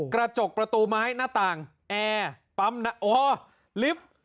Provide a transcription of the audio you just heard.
กระจกประตูไม้หน้าต่างแอร์ปั๊มออลิฟท์